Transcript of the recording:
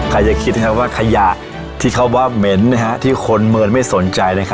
ใครจะคิดว่าขยะที่เขาว่าเหม็นที่คนเมินไม่สนใจ